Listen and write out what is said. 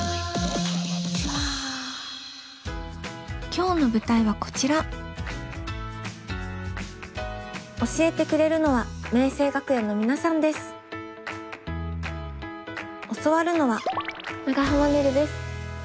今日の舞台はこちら教えてくれるのは教わるのは長濱ねるです。